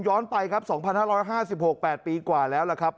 ย้อนไปครับสองพันห้าร้อยห้าสิบหกแปดปีกว่าแล้วล่ะครับ